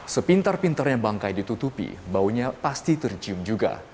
sepintar pintarnya bangkai ditutupi baunya pasti tercium juga